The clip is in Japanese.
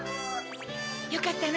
よかったね